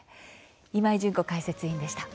今井純子解説委員でした。